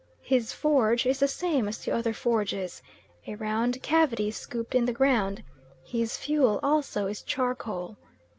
His forge is the same as the other forges, a round cavity scooped in the ground; his fuel also is charcoal.